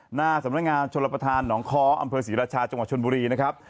หน้าสำนักงานชนรับประทานหนองค้ออำเภอศรีราชาจังหวัดชนบุรีนะครับ